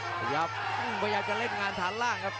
ประหยักษ์ประหยักษ์จะเล่นงานสถานหล่างครับ